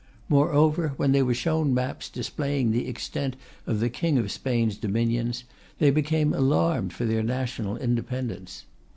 Moreover, when they were shown maps displaying the extent of the King of Spain's dominions, they became alarmed for their national independence.